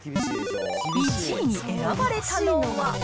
１位に選ばれたのは？